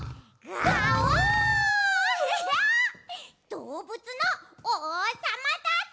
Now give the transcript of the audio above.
どうぶつのおうさまだぞ！